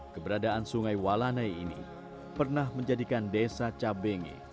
keberadaan sungai walanai ini pernah menjadikan desa cabenge